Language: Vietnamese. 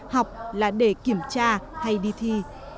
học là để kiểm tra hay đi thử